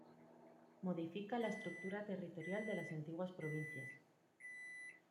Modifica la estructura territorial de las antiguas provincias.